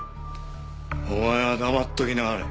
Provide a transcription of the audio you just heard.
お前は黙っておきなはれ。